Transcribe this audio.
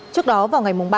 trước đó vào ngày ba tháng